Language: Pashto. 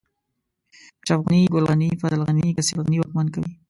اشرف غني، ګل غني، فضل غني، که سيد غني واکمن کوي.